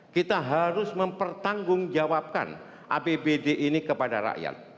kita harus mempertanggungjawabkan apbd ini kepada rakyat